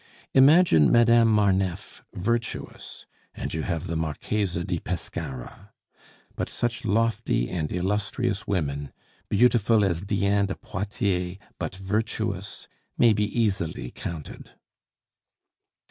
Imagine Madame Marneffe virtuous, and you have the Marchesa di Pescara. But such lofty and illustrious women, beautiful as Diane de Poitiers, but virtuous, may be easily counted.